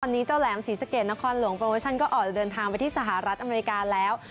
ตอนนี้เจ้าแหลมศรีสะเกดนครหลวงโปรโมชั่นก็ออกจะเดินทางไปที่สหรัฐอเมริกาแล้ว